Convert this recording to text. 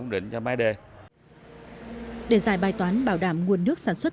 để giải bài toán bảo đảm nguồn nước sản xuất